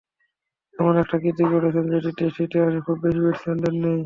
এমন একটা কীর্তি গড়েছেন, যেটি টেস্ট ইতিহাসে খুব বেশি ব্যাটসম্যানের নেই।